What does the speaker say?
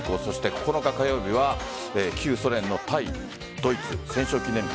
９日火曜日は旧ソ連の対ドイツ戦勝記念日。